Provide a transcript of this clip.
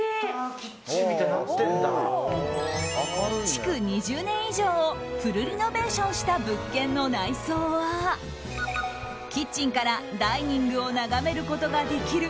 築２０年以上をフルリノベーションした物件の内装はキッチンからダイニングを眺めることができる